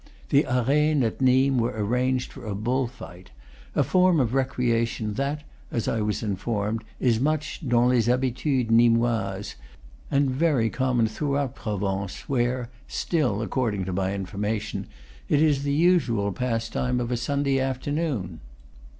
The Arenes at Nimes were ar ranged for a bull fight, a form of recreation that, as I was informed, is much dans les habitudes Nimoises, and very common throughout Provence, where (still according to my information) it is the usual pastime of a Sunday afternoon.